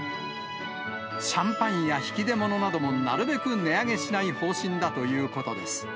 シャンパンや引き出物などもなるべく値上げしない方針だということです。